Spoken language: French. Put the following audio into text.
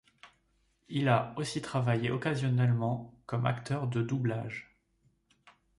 Il a aussi travaillé occasionnellement comme acteur de doublage.